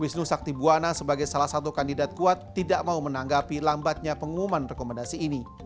wisnu sakti buwana sebagai salah satu kandidat kuat tidak mau menanggapi lambatnya pengumuman rekomendasi ini